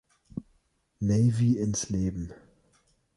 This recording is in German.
Navy ins Leben.